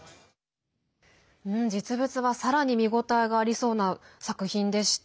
実物は、さらに見応えがありそうな作品でした。